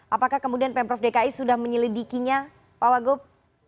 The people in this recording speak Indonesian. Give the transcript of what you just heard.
apakah kemudian pemprov dki sudah menyelidikinya pak wagub